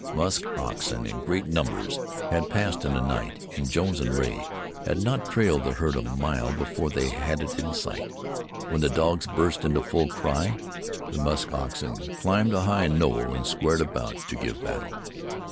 Musk oxen in great numbers had passed in the night, and Jones and Rea had not trailed the herd a mile before they had it in sight. When the dogs burst into full cry, the musk oxen climbed a high knoll and squared about to give battle.